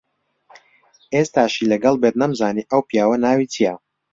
ئێستاشی لەگەڵ بێت نەمزانی ئەو پیاوە ناوی چییە.